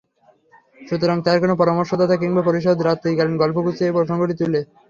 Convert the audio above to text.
সুতরাং তার কোন পরামর্শদাতা কিংবা পারিষদ রাত্রিকালীন গল্পচ্ছলে এ প্রসঙ্গটি তুলে।